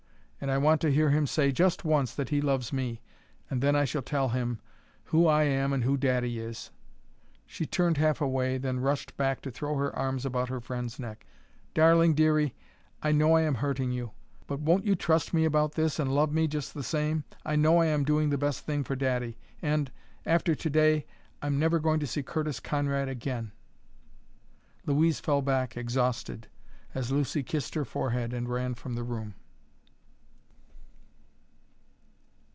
And I want to hear him say, just once, that he loves me and then I shall tell him who I am and who daddy is." She turned half away, then rushed back to throw her arms around her friend's neck. "Darling Dearie, I know I am hurting you! But won't you trust me about this, and love me just the same? I know I am doing the best thing for daddy and after to day, I'm never going to see Curtis Conrad again!" Louise fell back, exhausted, as Lucy kissed her forehead and ran from the room.